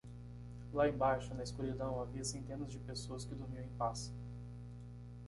Lá embaixo, na escuridão, havia centenas de pessoas que dormiam em paz.